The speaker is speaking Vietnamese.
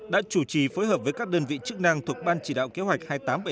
đã chủ trì phối hợp với các đơn vị chức năng thuộc ban chỉ đạo kế hoạch hai nghìn tám trăm bảy mươi chín